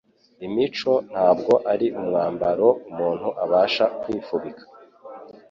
Imico ntabwo ari umwambaro umuntu abasha kwifubika;